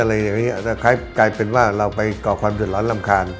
อะไรอย่างนี้กลายเป็นว่าเราไปก่อความหยุดร้อนรำคาญ